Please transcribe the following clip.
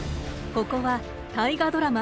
ここは大河ドラマ